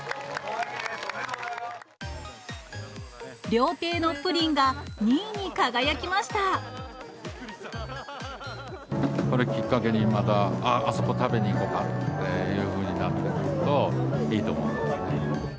料亭のプリンが２位に輝きまこれをきっかけに、また、あそこ、食べに行こうかというふうになるといいと思います。